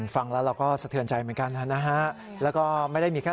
บางคนร้องไห้จนเราฟังสิ่งที่เธอพูดไม่ออกเลย